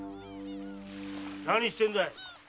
何してんだい！